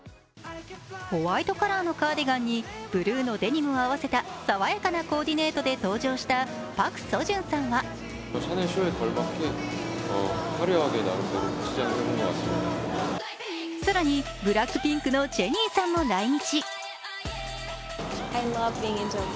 ホワイトカラーのカーディガンにブルーのデニムを合わせた爽やかなコーディネートで登場したパク・ソジュンさんは更に、ＢＬＡＣＫＰＩＮＫのジェニーさんも来日。